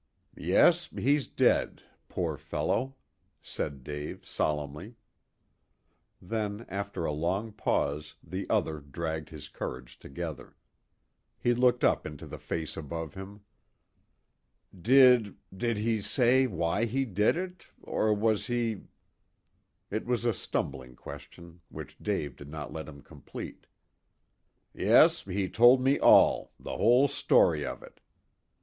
"Yes, he's dead poor fellow," said Dave solemnly. Then, after a long pause, the other dragged his courage together. He looked up into the face above him. "Did did he say why he did it or was he " It was a stumbling question, which Dave did not let him complete. "Yes, he told me all the whole story of it.